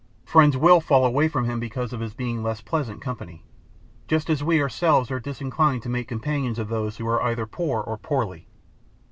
Friends will fall away from him because of his being less pleasant company, just as we ourselves are disinclined to make companions of those who are either poor or poorly.